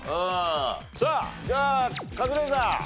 さあじゃあカズレーザー。